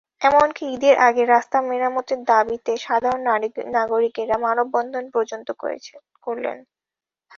এমনকি ঈদের আগে রাস্তা মেরামতের দাবিতে সাধারণ নাগরিকেরা মানববন্ধন পর্যন্ত করলেন।